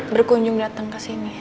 berkunjung dateng kesini